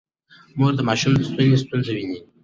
مور د ماشوم د ستوني ستونزه ويني.